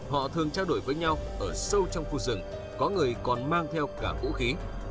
họ thường trao đổi với nhau ở sâu trong khu rừng có người còn mang theo cả vũ khí